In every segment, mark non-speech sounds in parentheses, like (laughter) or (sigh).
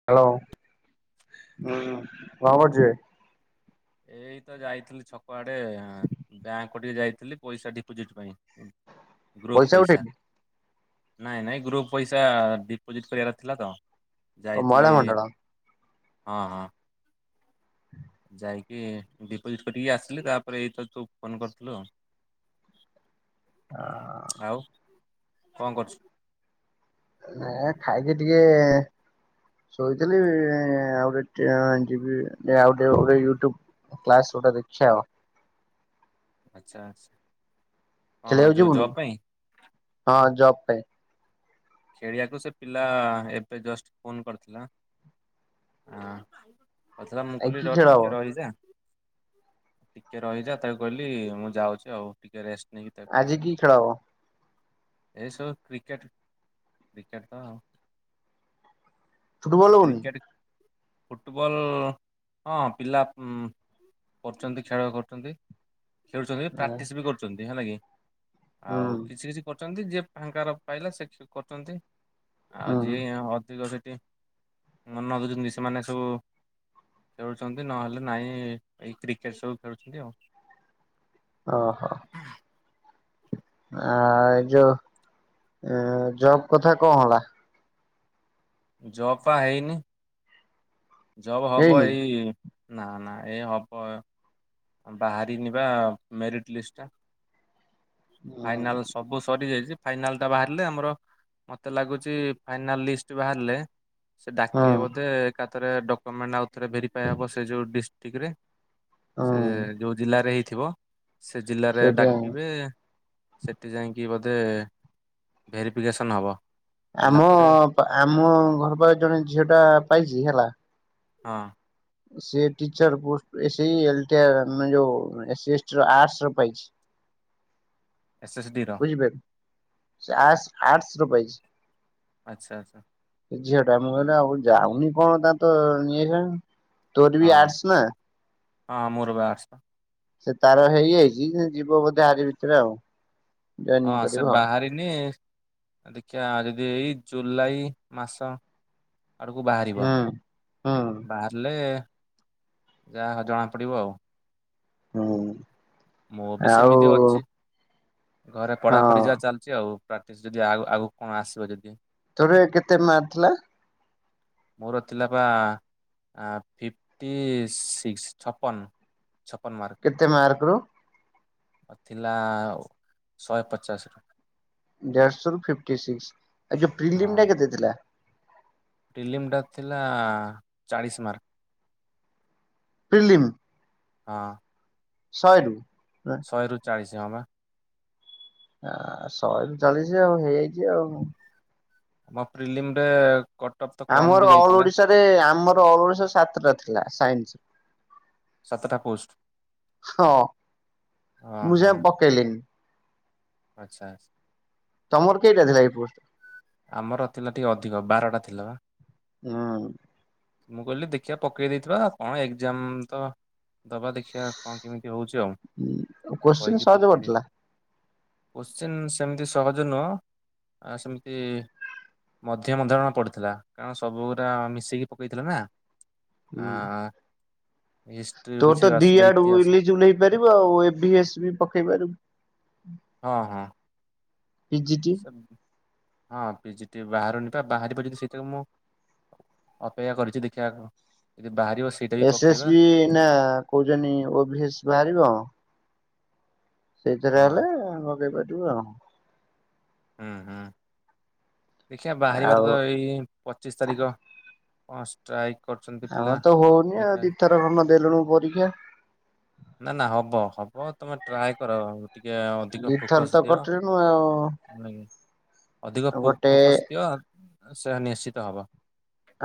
Hello ହୁଁ କଣ କରୁଚୁବେ? ଏଇ ତ ଯାଇଥିଲି ଛକ ଆଡେ ଆ ବ୍ୟାଙ୍କ। ଗୋଟେ ଯାଇଥିଲି ପଇସା ଡିପୋଜିଟ୍ ପାଇଁ ଗ୍ରୁପ ପଇସା। ନାଇଁ ନାଇଁ ଗ୍ରୁପ ପଇସା ଡିପୋଜିଟ କରିବାର ଥିଲା ତ ଓ ମହିଳା ଯାଇଥିଲି। ମଣ୍ଡଳ ହଁ ହଁ। ଯାଇକି ଡିପୋଜିଟ୍ କରିକି ଆସିଲି ତାପରେ ଏଇ ତ ତୁ ଫୋନ କରିଥିଲୁ ଆଉ। ଆଉ କଣ କରୁଚୁ? ନ ଖାଇକି ଟିକେ ଶୋଇଥିଲି ଆଉ ଡିଟେ ଯିବି ଆଉ ଟିକେ ଗଲେ ୟୁଟ୍ୟୁବ କ୍ଲାସ କୋଡଠା ଦେଖ୍ୟା ଆଉ। ଆଚ୍ଛା ଆଛା। ଖେଳିବାକୁ ଯିବୁନୁ ହଁ ଜବ ପାଇଁ ଖେଳିବାକୁ ସେ ପିଲା ଏବେ ଜଷ୍ଟ ଫୋନ କରିଥିଲା। ଅଥର ମୁ ଆ କହିଲି କି ରହ ଖେଳ ହବ? ଟିକେ ରହିଯା ଟିକେ ରହିଯା ତାକୁ କହିଲି ମୁଁ ଯାଉଛି ଆଉ ଟିକେ ରେଷ୍ଟ ନେଇକି ତାକୁ କହିଲି। ଆଜି କି ଖେଳ ହବ ଏସବୁ କ୍ରିକେଟ୍ କ୍ରିକେଟ ତ ଫୁଟବଲ ହଉନି କ୍ରିକେଟ ଫୁଟବଲ ହଁ ପିଲା କରୁଛନ୍ତି ଖେଳ କରୁଛନ୍ତି। ଖେଳୁଛନ୍ତି ପ୍ରାକ୍ଟିସ୍ ବି କରୁଛନ୍ତି ହେଲା କିି ହୁଁ ଆଉ କିଛି କିଛି କରୁଛନ୍ତି ଯ ଫାଙ୍କାର ପାଇଲା ସେ କରୁଛନ୍ତି ଆଉ ହୁଁ ଯିଏ ଅଧିକ ସେଠି ମନ ଦଉଛନ୍ତି ସେମାନେ ସବୁ ଖେଳୁଛନ୍ତି ନହେଲେ ନାଇଁ ଏଇ କ୍ରିକେଟ ସବୁ ଖେଳୁଛନ୍ତି ଆଉ। ଓହୋ ଆ ଏଇ ଯୋଉ ଜବ କଥା କଣ ହେଲା? ଜବ ପା ହେଇନି। ଜବ ହବ ହେଇନି? ଏଇ ନା ନା ଏଇ ହବ। ବାହାରିିନି ବା ମେରିଟ ଲିଷ୍ଟ ଟା। ଫାଇନାଲ ସବୁ ସରି ଯାଇଛି। ଫାଇନାଲ ଟା ବାହାରିଲେ ଆମର ମତେ ଲାଗୁଚ ଫାଇନାଲ ଲିଷ୍ଟ ବାହାରିଲେ ସେ ହଁ ଡାକିବେ ବୋଧେ ଏକା ଥରେ ଡକ୍ୟୁମେଣ୍ଟ ଆଉ ଥରେ ଭେରିଫାଏ ହବ ସେ ଯଉ ଡିଷ୍ଟ୍ରିକ୍ଟ ରେ। ହଁ ସେ ଯୋଉ ଜିଲ୍ଲାରେ ହେଇଥିବ ସେ ଜିଲ୍ଲାରେ ସେଇଟା ଡାକିବେ। ସେଠି ଯାଇକି ବୋଧେ ଭେରିଫିକେସନ୍ ହେବ। ଆମ ଆମ ଘର ପାଖରେ ଜଣେ ଝିଅ ଟା ପାଇଛି ହେଲା ହଁ ସେ ଟିଚର ପୋଷ୍ଟ ସେଇ ଲ ଟି ର ମାନେ ଯୋଉ ଏସି ଏସଟି ର ଆର୍ଟ୍ସ ର ପାଇଛି। (unintelligible) S S ଡିର। ବୁଝି ପାଇଲୁ ସେ ଆର୍ଟ୍ସ ର ପାଇଛି। ଆଚ୍ଛା ଆଚ୍ଛା ସେ ଝିଅ ଟା ମୁଁ କହିଲି ଆଉ ଯାଉନି କଣ ତା ତ ତୋର ବି ହଁ ଆସ ନା। ହଁ ମୋର ବା (unintelligible) ସେ ତାର ହେଇଯାଇଛି ସେ ଯିବ ବୋଧେ ଆରି ଭିତରେ ଆଉ। ଜଏନିଂ ହଁ କରିବ ସେ ଆଉ ବାହାରିନି ଦେଖିବା ଯଦି ଏଇ ଜୁଲାଇ ମାସ ଆଡକୁ ବାହାରିବ ହୁଁ। ହୁଁ ବା ଲେ ଯାହା ଜଣା ପଡ଼ିବ ଆଉ। ହଁ ମୁଁ ବି ସେମିତି ଅଛି ଘରେ ହଁ ପଢାପଢି ଯାହା ଚାଲି ଆଉ ପ୍ରାକ୍ଟିସ୍ ଯଦି ଆଗକୁ କଣ ଆସିବ ଯଦି। ତୋର କେତେ ମାର ଥିଲା? ମୋର ଥିଲା ବା ଫିଫ୍ଟି ସିକ୍ସ ଛପନ। ଛପନ ମାର୍କ କେତେ ମାର୍କ ରୁ ଥିଲା ଶହେ ପଚାଶ ରୁ। ଦେଢଶ ରୁ ଫିକ୍ଟି ସିକ୍ସ ଆଉ ଯୋଉ ପ୍ରିଲିୟମ ଟା କେତେ ଥିଲା? ପ୍ରିଲିମଟା ଥିଲା ଚାଳିଶ ମାର୍କ। ପ୍ରିଲିମ୍? ହଁ। ଶହେରୁୁ? ଶହେ ରରୁ ଚାଳିଶ ଜମା। ଆ ଶହେ ରୁ ଚାଳିଶି ଆଉ ହେଇଯାଇଛି ଆଉ। ଆମ ପ୍ରିଲିମ ରେ କଟ ଅଫ୍ ତ କମ ବି ଯାଇଥିଲା। ଏବେ ଆମର ଅଲ୍ ଓଡ଼ିଶା ସାତଟା ଥିଲା ସାଇନ୍ସ। ସାତଟା ପୋଷ୍ଟ ହଁ ହଁ ମୁଁ ହଁ ଯାଇଁ ପକେଇଲିନି। ଆଚ୍ଛା ଅଛା। ତମର କେଇଟା ଥିଲାକି ପୁଣି। ଆମର ଥିଲା ଟିକେ ଅଧିକ ବାରଟା ଥିଲା ବା। ହୁଁ। ମୁଁ କହିଲି ଦେଖିବା ପକେଇ ଦେଇଥିବା କଣ ଏକ୍ଜାମ ତ। ଦବା ଦେଖିବା କଣ କେମିତି ହଉଛି ଆଉ ହୁଁ କୋଶ୍ଚିନ୍ କହିକି ସହଜ ପକେଇଦେଇଥିଲି। ପଡିଥିଲା। କୋଶ୍ଚିନ୍ ସେମିତି ସହଜ ନୁହଁ ଆ ସେମିତି। ମଧ୍ୟମ ଧରଣର ପଡ଼ିଥିଲା କାରଣ ସବୁ ଗୁୁରା ମିଶିକି ପକେଇଥିଲା ନା। ହୁଁ ଆଁ। ତୋର ତ ଦି ଆଡୁ ଇଲିଜବଲ୍ ହେଇ ପାରିବୁ ଆଉ ଏବି ଏ ଶ୍ ବି ପକେଇ ପାରିବୁ। ହଁ ହଁ। P G T. ସେ ହଁ ପିଜିଟି ବାହାରୁନି ବା ବାହାରିବ ଯିଦି ସେଇଟା ମୁଁ ଅପେକ୍ଷା କରିଛି ଦେଖିଆ ଆଗକୁ ଯଦି ବାହାରି ସେ ଏସ୍ ଏସ୍ ବି ନା କହୁଛନ୍ତି ଓ ବି ଏସ୍ ବାହାରିବ। ସେଇଥିରେ ହଁ ହେଲେ ଲଗେଇ ପାରିବୁ ଆଉ। ହୁଁ ହୁଁ ଦେଖିଆ ବାହାରିବାଟା ଆଉ ତ ଏଇ ପଚିଶ ତାରିଖ କଣ୍ ଷ୍ଟ୍ରାଇକ। ଆମର ତ ହଉନି ଆଉ ଦିଇଥର ଖଣ୍ଡ ଦେଲୁଣିୁ ପରୀକ୍ଷା। ନା ନା ହବ ହବ ତମେ ଟ୍ରାଏ କର ଟିକେ ଅଧିକ ଫୋକସ ଦିଅ। ହଁ ଆଉ। ଅଧିକ ଫୋକ୍ ଗୋଟେ ଫୋକସ୍ ଦିଅ ସେ ନିଶ୍ଚିତ ହବ।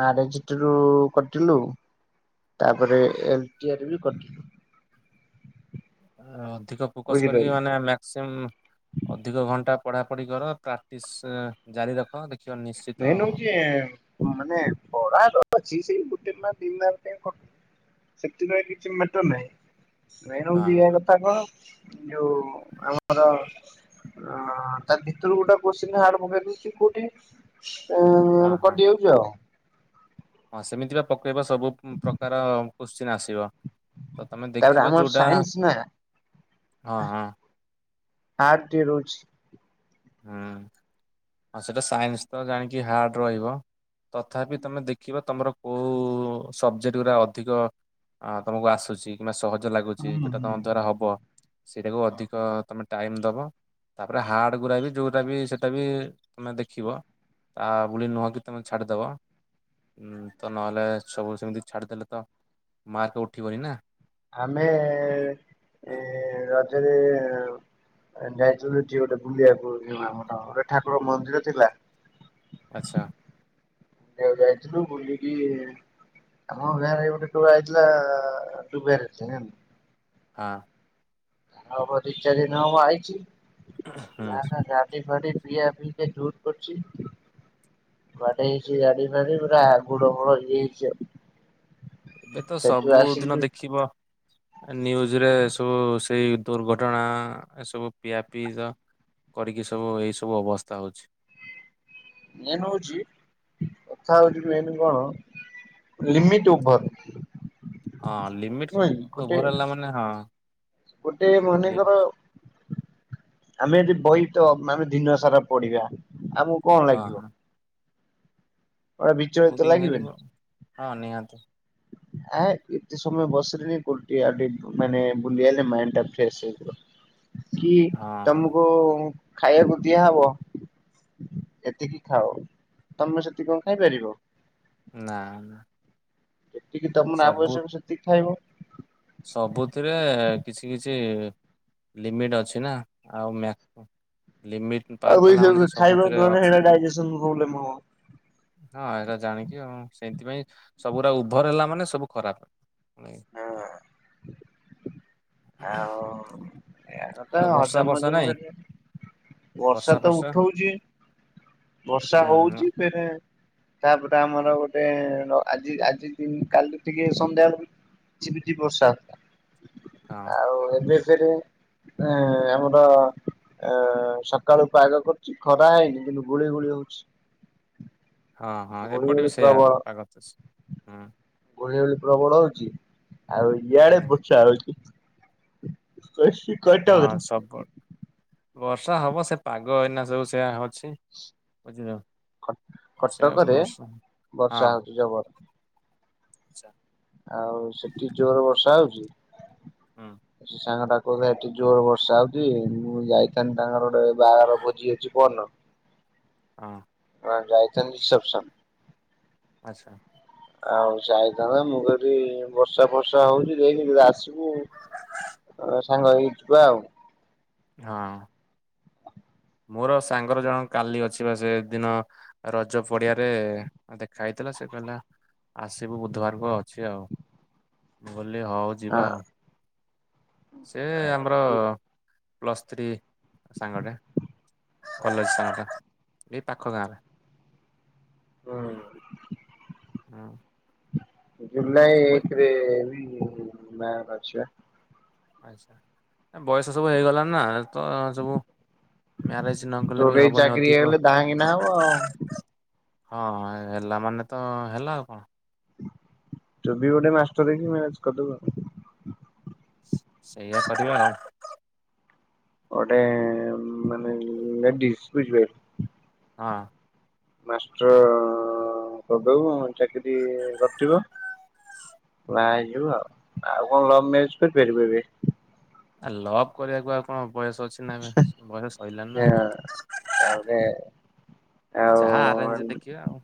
ଆର ଏଚ ଟି ରୁ କଟିଲୁ ତାପରେ ଏଲଟି ଆର୍ ବି କଟିଲୁ। ଅଧିକ ଫୋକସ କରିକି ବୁଝିପାରିଲୁ। ମାନେ ମାକ୍ସିଅମ୍ ଅଧିକ ଘଣ୍ଟା ପଢା ପଢି କର ପ୍ରାକ୍ଟିସ ଜାରି ରଖ ଦେଖ ନିଶ ମେନ୍ ହଉଛି ମାନେ ପଢା ତ ଅଛି ସେଇ ଗୋଟେ ମାର୍କ ଦି ମାର୍କ ପାଇଁ କଟୁଛି। ସେଥିପାଇଁ କିଛି ମାଟର ନାହିଁ ମେନ୍ ହେଉଛି ହଁ ଏଇଆ ତାଙ୍କର, ଯୋଉ ଆମର ଆଁ ତା ଭିତରୁ ଗୋଟେ କୋଶ୍ଚିନ୍ ଆର ମଗେଇ ଦେଇଛି କୋଉଠି। ହଁ ଉଁ ହଁ କଟି ଯାଉଛି ଆଉ। ହଁ ସେମିତି ବା ପକେଇବା ସବୁ ପ୍ରକାର କୋଶ୍ଚିନ୍ ଆସିବ। ତ ତମେ ତାପରେ ଦେଖିବ ଆମର ଯୋଉଟା ସାଇନ୍ସ ନା ହଁ ହଁ। ହାର୍ଡ ଟିକେ ରହୁଛି। ହୁଁ ଆଉ ସେଇଟା ସାଇନ୍ସ ତ ଜାଣିକି ହାର୍ଡ ରହିବ। ତଥାପି ତମେ ଦେଖିବ ତମର କୋଉ ସବଜେକ୍ଟ ଗୁଡା ଅଧିକ ଅ ତମକୁ ଆସୁଛି କିମ୍ବା ସହଜ ଲାଗୁଛି ଯୋଉଟା ତମ ଦ୍ଵାରା ହବ। ସେଇଟାକୁ ଅଧିକ ତମେ ଟାଇମ ଦବ ତାପରେ ହାର୍ଡ ଗୁରା ବି ଯଉଟା ବି ସେଇଟା ବି ତମେ ଦେଖିବ ଆ ପୁଣି ନୁହଁକି ତମେ ଛାଡ଼ିଦବ। ଉଁ ତ ନହେଲେ ସବୁ ସେମିତି ଛାଡିଦେଲେ ତ ମାର୍କ ଉଠିବନି ନା। ଆମେ ଏ ରଜରେ ଏ ଯାଇଥିଲୁ ଟି ଗୋଟେ ବୁଲିବାକୁ ଆମର ଠାକୁର ମନ୍ଦିର ଥିଲା। ଆଛା। ବୁଲିଆକୁ ଯାଇଥିଲୁ ବୁିଲି କି ଆମ ଗାଁ ରେ ଗୋଟେ ଟୁକା ଯାଇଥିଲା ଦୁବାଇ (unintelligible) ଆ। ଆ ହବ ଦି ଚାର୍ ଦିନ ହବ ହୁଁ ଆଇଚି ଗାଡି ଫାଡି ପିଆ ପିଇ ଏ ଦୋର କରଛି। ମାଡ ହେଇଛି ଗାଡି ଫାଡି ପୁରା ଆ ଗୋଡ ଫୋଡ଼ ଇଏ ହେଇଛି ଆଉ। ଏବେ ତ ସେଠୁ ସବୁଦିନ ଆସିକି ଦେଖିବ। ନ୍ୟୁଜ୍ ରେ ସବୁ ସେଇ ଦୁର୍ଘଟଣା ଏ ସବୁ ପିଆପି କରିକି ସବୁ ଏଇ ସବୁ ଅବସ୍ଥା ହଉଛି। ମେନ୍ ହଉଛି କଥା ହଉଛି ମେନ୍ କଣ ଲିମଟ୍ ଓଭର୍। ହଁ ଲିମିଟ୍ ଗୋଟେ ଓଭର୍ ହେଲା ମାନେ ହଁ। ଗୋଟେ ଲି ମନେକର ଆମେ ଆଜି ବହି ତ ମାନେ ଦିନ ସାରା ପଡିବା। ଆମକୁ କଣ ହଁ ଲାଗିବ। ହଁ ଗୋଟେ ବିଚଳିତ ପୁରି ଲାଗିବନି। ବାହାରିବ ହଁ ନିହାତି। ଆ ଏତେ ସମୟ ବସିଲିନି କଉଟି ଟିକେ ଆଉ ଟିକେ ମାନେ ବୁଲି ଆଇଲେ ମାଇଣ୍ଡ୍ ଟା ଫ୍ରେସ୍ ହେଇଯିବ। କି ହଁ ତମକୁ ଖାଇବାକୁ ଦିଆହବ ଏତିକି ଖାଅ ତମେ ସେତିକି କଁ ଖାଇପାରିବ? ନା ନା। ଯେତିକି ତମର ସବୁ ଆବଶ୍ୟକ ସେତିକି ଖାଇବ। ସବୁଥିରେ କିଛି କିଛି ଲିମିଟ୍ ଅଛି ନା ଆଉ ମ୍ୟା ଲିମିଟ୍। ଆଉ କିଛି ସବୁ ଖାଇବ ତୁଳନାରେ ହେରା ଡାଇଜେସନ୍ ପ୍ରୋବ୍ଲେମ୍ ହବ। ହଁ ଏଇଟା ଜାଣିକି ଆଉ ସେଇଥିପାଇଁ ସବୁୁରା ଉଭର୍ ହେଲା ମାନେ ସବୁ ଖରାପ। ହଁ ଆଉ ଏୟା କଥା ଆଉ ବର୍ଷା ହଜମ ଫର୍ଷା ହଜମ ନାଇଁ ହେ ବର୍ଷା ତ ଉଠଉଛି ହୁଁ ବର୍ଷା ହୁଁ ହଉଚି ଫେରେ ତାପରେ ଆମର ଗୋଟେ ଆଜି ଆଜି ଦି କାଲି ଟିକେ ସନ୍ଧ୍ୟାବେଳକୁ ଝିପି ଝିପି ବର୍ଷା ହଁ ଆଉ ଏବେ ସେ ଆମର ଆ ସକାଳୁ ପାଗ କରୁଛି ଖରା ହେଇନି କିନ୍ତୁ ଗୁଳି ଗୁଳି ହଉଛି। ହଁ ହଁ ଗୁଳି ଏପଟେ ଗୁଳି ବି ସେଇଆ ପାଗ ଚା ହୁଁ। ଗୁଳୁଗୁଳି ପ୍ରବଳ ହଉଛି ଆଉ ହୁଁ ଇଆଡେ ବର୍ଷା ହଉଛି। (unintelligible) ହଁ ସକଟ୍ ବର୍ଷା ହବ ସେ ପାଗ ଏଇନା ସବୁ ସେଆ ଅଛି। ବୁଝିଲ ସେ କଟକରେ ବର୍ଷ ହଁ। ବର୍ଷା ହଉଛି ଜବର। ଆଉ ସେଠି ଜୋର ବର୍ଷା ହଉଛି? ହଁ। ସେ ସାଙ୍ଗଟା କହୁଥିଲା ସେଠି ଜୋର ବର୍ଷା ହଉଛି ମୁଁ ଯାଇଥାନ୍ତିି ତାଙ୍କର ଗୋଟେ ବାହାଘର ଭୋଜି ଅଛି ପହ ନ ଅଁ। ହଁ ଯାଇଛ ରିସେପ୍ସନ୍। ଆଛା। ଆଉ ଯାଇଥିବେ ମୁଁ କହିଲି ବର୍ଷା ଫର୍ଷା ହଉଛି ଯଇକି ଆସିବୁ ଏ ସାଙ୍ଗ ହେଇକି ଯିବା ଆଉ। ହଁ। ମୋର ସାଙ୍ଗର ଜଣ କାଲି ଅଛି ବା ସେଦିନ ରଜ ପଡିଆରେ ଦେଖା ହେଇଥିଲା, ସେ କହିଲା ଆସିବୁ ବୁଧବାରକୁ ଅଛି ଆଉ, ମୁ କହିଲି ହଉ ଯିବା ଆଉ। ସେ ଆମର ହଁ ପ୍ଲସ୍ ଥ୍ରୀ ସାଙ୍ଗଟା କଲେଜ ହୁଁ ସାଙ୍ଗଟା ଏଇ ପାଖ ଗାଁରେ। ହୁଁ। ହୁଁ। ଜୁଲାଇ ସବୁ ଏକେ ରେ ବି ବାହାଘର ଅଛିବା। ଆଚ୍ଛା ବୟସ ସବୁ ହେଇଗଲା ନା ତ ସବୁ ମ୍ୟାରେଜ୍ ନକଲେ ତୋର ବି ଏଇ ହବନି ଚାକିରି ଅଧିକ ହେଇଗଲେ ଧାହାକିନା ହବ ଆଉ। ହଁ ହେଲା ମାନେ ତ ହେଲା ଆଉ କଣ? ତୁ ବି ଗୋଟେ ମାଷ୍ଟର ହେଇକି ମ୍ୟାରେଜ୍ କରିଦେବୁ। ସେଇଆ କରିବା ଆଉ, ଗୋଟେ ମାନେ ଲେଡିଜ ବୁଝିପାରିଲୁ। ହଁ। ମାଷ୍ଟର କରିଦବୁ। ଚାକିରୀ କରିଥିବ ବାହା ହେଇଯିବୁ ଆଉ, ଆଉ କଣ ଲଭ ମ୍ୟାରେଜ କରିପାରିବୁ ଏବେ? ଆ ଲଭ କରିବାକୁ ଆଉ କଣ ବୟସ ଅଛି ନା ଏବେ ବୟସ ସରିଲଣିି ନା ହଁ ଆଉ। ତାପରେ ଆଉ ଯାହା ଆରେଞ୍ଜରେ ଦେଖିବା ଆଉ।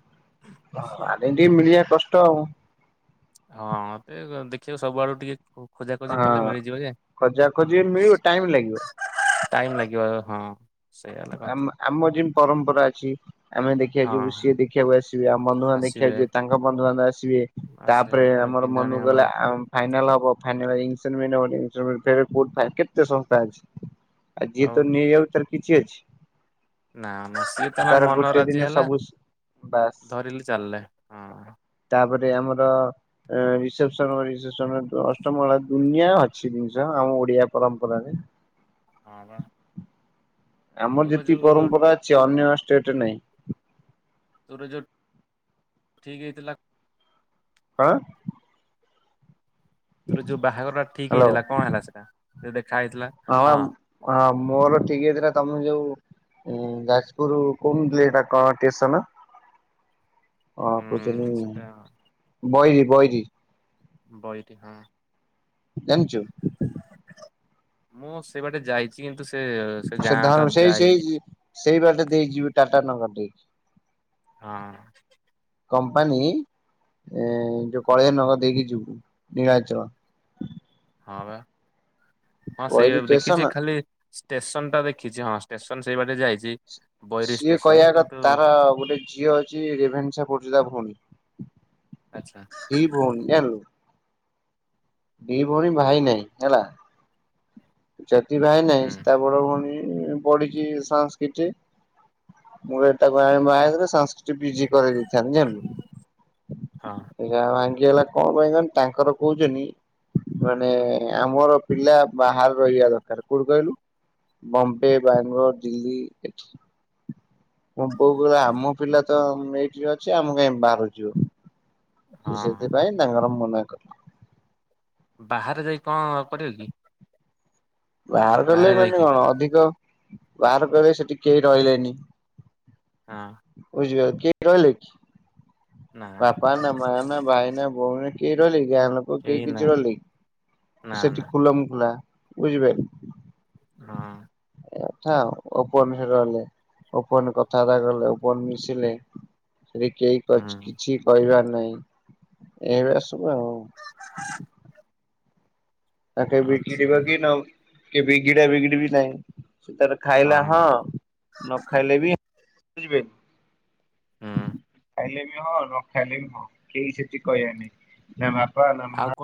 ହଁ ଆରେଞ୍ଜ ଟିକେ ମିଳିବା କଷ୍ଟ ଆଉ। ହଁ ମତେ ଦେଖିବା ସବୁଆଡୁ ଟିକେ ଖୋଜାଖୋଜି କଲେ ହଁ ମିଳିଯିବ ଯେ, ଖୋଜା ଖୋଜି ମିଳିବ ଟାଇମ ଲାଗିବ। ଟାଇମ୍ ଲାଗିବ ହଁ, ସେଇଆ ହେଲା କଥା ଆମ, ଆମ ଯେମିତି ପରମ୍ପରା ଅଛି ଆମେ ଦେଖିବାକୁ ଯିବୁ, ହଁ ସିଏ ଦେଖିବାକୁ ଆସିବେ, ବନ୍ଧୁବାନ୍ଧବ ଆସିବେ ଦେଖିବାକୁ ଯିବେ, ତାଙ୍କ ବନ୍ଧୁବାନ୍ଧବ ଆସିବେ, ଆସେ ତାପରେ ପୁଣି ଆମର ପିନ୍ଧାଣି ମନକୁ ହବ ଗଲା ଫାଇନାଲ ହବ। ଫାଇନାଲ ରିଙ୍ଗ ସେରିମନି ହବ। ରିଙ୍ଗ ସେରିମନି ଫେରେ ପୋ ବା କେତେ ସଂସ୍ଥା ଅଛି। ଆଉ ଯିଏ ତ ନେଇ ଆଉଚି ତାର କିଛି ଅଛି। ନାମ ସେ ତାର ମନ ଗୋଟେ ରାଜି ଦିନେ ହେଲା ସବୁ ବାସ୍ ଧରିଲି ଚାଲିଲେ। ହଁ ତାପରେ ଆମର ରିସେପସନ, ରିସେପସନ ଅଷ୍ଟମଙ୍ଗଳା, ଦୁନିଆ ଅଛି ଜିନିଷ ଆମ ଓଡିଆ ପରମ୍ପରାରେ। ହ (inaudible) ହଁ ବା। ଆମର ତୋର ଯେତିି ଯୋଉ ପରମ୍ପରା ଅଛି ଅନ୍ୟଷ୍ଟେଟରେ ନାଇଁ, ତୋର ଯୋଉ ଠିକ ହେଇଥିଲା ହଁ, ତୋର ଯୋଉ ବାହାଘର ଟା ଠିକ ହ୍ୟାଲୋ। ହେଇଥିଲା କଣ ହେଲା ସେଟା ଯୋଉ ଦେଖା ହେଇଥିଲା? ହଁ ବା, ମୋର ଠିକ୍ ହେଇଥିଲା ତମେ ଯୋଉ ହୁଁ ଯାଜପୁର କହୁନଥିଲି ଏଟା କଣ ଷ୍ଟେସନ କଣ କହୁଛନି? ଉଁ ସେଟା ବଇରି, ବଇରି। ବୈରୀ ହଁ। ଜାଣିଚୁ ମୁଁ ସେ ବାଟେ ଯାଇଚି କିନ୍ତୁ ସେ ସେ ଧ ଗାଁ ଟା ସେଇ ସେଇ ଯାଇଏନି। ସେଇ ବାଟେ ଦେଇଯିବି ଟାଟା ନଗର ଦେଇକି। ହଁ। କମ୍ପାନୀ ଏ ଯୋଉ କଳିଆ ନଗର ଦେଇକି ଯିବୁ ନୀଳାଚଳ। ହଁ ପା ହଁ ସେଇ ବଇରି ଷ୍ଟେସନ ଦେଖିଚି ଖାଲି ଷ୍ଟେସନ ଟା ଦେଖିଚି, ହଁ ଷ୍ଟେସନ ସେଇ ବାଟେ ଯାଇଚି ସିଏ କହିବା କ ତାର ଗୋଟେ ଝିଅ ଅଛି ରେଭେନ୍ସା ପଢ଼ୁଚି ତା ଭଉଣୀ। ଆଚ୍ଛା। ଦି ଭଉଣୀ ଜାଣିଲୁ। ଦି ଭଉଣୀ ହୁଁ ଭାଇ ନହିଁ ହେଲା। ଯଦି ଭାଇ ନାଇଁ ହୁଁ ତା ବଡ ଭଉଣୀ ପଢିଚି ସାନ୍ସକ୍ରିଟି ମୁ ତାକୁ ଆ ବାହା ସାନ ପିଜି କରେଇ ଦେଇଥାନ୍ତି ହଁ ଜାଣିଲୁ। ଯା ଭାଙ୍ଗିଗଲା କଣ ପାଇଁ କହନି ତାଙ୍କର କହୁଚନ୍ତି ମାନେ ଆମର ପିଲା ବାହାର ରହିବା ଦରକାର କୋଉଠି କହିଲୁ ବମ୍ବେ ବାଙ୍ଗଲୋର ଦିଲ୍ଲୀ ଏଠି। ମୁଁ ବୋଉ କହିଲା ଆମ ପିଲା ତ ଏଇଠି ଅଛି ଆମ କାଇହିଁ ବାହାରୁ ଯିବ। ସେ ହଁ। ସେଥିପାଇଁ ତାଙ୍କର ମନା କଲେ ବାହାରେ ଯାଇ କଣ କରିବ କି? ବାହାର କଲେ ବାହାରେ ମାନେ ରହିକି କଣ ଅଧିକ ବାହାର କଲେ ସେଠି କେହି ରହିଲେନି ଆଁ ବୁଝିବା କିଏ ରହିଲେ କି? ନା ବାପା ନା ମା ନା ଭାଇ ନା ଭଉଣୀ କିଏ ରହିଲେ କି ଗାଁ ଲୋକ କେହି କିଛି ରହିଲେକି? ନା ସେଠି ନା ଖୁଲମ ଖୁଲା ବୁଝିପାଇଲ? ହଁ ଏଇ କଥା ଆଉ ଓପେନ ହେଇ ରହିଲେ। ଓପନ କଥାବାର୍ତ୍ତା କଲେ ଓପନ ମିଶିଲେ। ସେଠି କେହି କ ହୁଁ କିଛି କହିବାର ନାହିଁ ଏଭୟା ସବୁ ଆଉ। ତା କେ ଆଚ୍ଛା ବିଗିଡିବା କି ଆଚ୍ଛା ନ କେ ବିଗିଡା ବିଗିଡି ବି ନାହିଁ ସେ ତାର ଖାଇଲା ହଁ ନ ଖାଇଲେ ବିି ବୁଝି ପାଇ ହୁଁ। ଖାଇଲେ ବି ହଁ ନ ଖାଇଲେ ବି ହଁ କେହି ସେଠି କହିବାନେଇ ନା ବାପା ନା କଣ ମା।